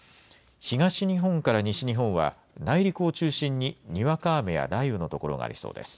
東日本から西日本は、内陸を中心ににわか雨や雷雨の所がありそうです。